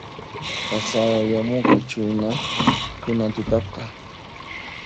Qasayamunqachuhina kunan tutaqa